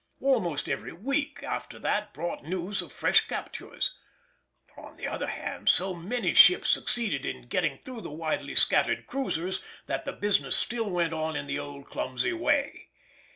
Almost every week after that brought news of fresh captures; on the other hand, so many ships succeeded in getting through the widely scattered cruisers, that the business still went on in the old clumsy way.